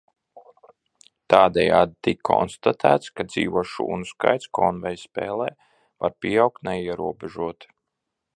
Tādējādi tika konstatēts, ka dzīvo šūnu skaits Konveja spēlē var pieaugt neierobežoti.